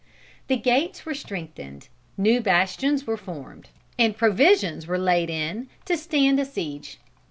The gates were strengthened, new bastions were formed, and provisions were laid in, to stand a siege.